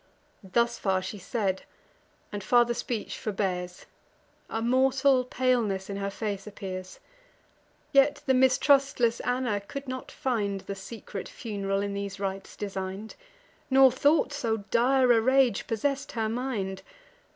Thus far she said, and farther speech forbears; A mortal paleness in her face appears: Yet the mistrustless Anna could not find The secret fun'ral in these rites design'd; Nor thought so dire a rage possess'd her mind.